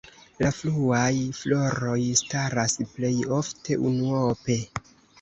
La fruaj floroj staras plej ofte unuope.